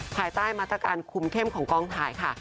ภายใต้มาตรการคุมเข้มของกองถ่ายค่ะ